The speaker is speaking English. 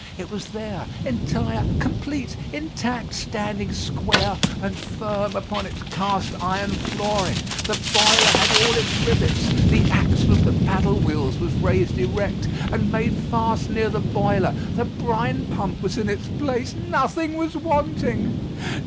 It was there, entire, complete, intact, standing square and firm upon its cast iron flooring; the boiler had all its rivets, the axle of the paddle wheels was raised erect, and made fast near the boiler; the brine pump was in its place; nothing was wanting.